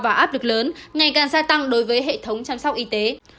và áp lực lớn ngày càng gia tăng đối với hệ thống chăm sóc y tế